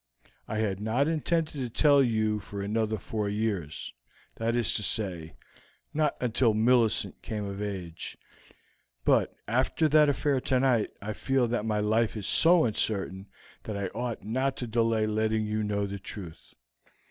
I had not intended to tell you for another four years that is to say, not until Millicent came of age but after that affair tonight, I feel that my life is so uncertain that I ought not to delay letting you know the truth.